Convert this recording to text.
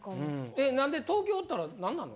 えなんで東京おったら何なの？